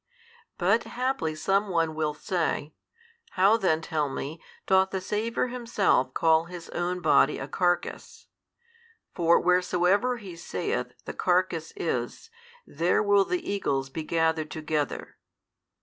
But haply some one will say: How then, tell me, doth the Saviour Himself call His own Body a carcase, For wheresoever He saith the carcase is, there will the eagles be gathered together.